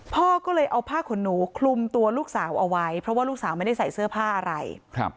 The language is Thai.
พ่อก็เลยเอาผ้าขนหนูคลุมตัวลูกสาวเอาไว้เพราะว่าลูกสาวไม่ได้ใส่เสื้อผ้าอะไร